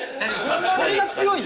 そんな強いの？